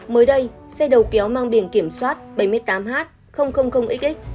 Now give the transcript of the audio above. mới đây xe đầu kéo mang biển kiểm soát bảy mươi tám h xx